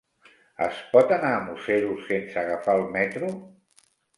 Es pot anar a Museros sense agafar el metro?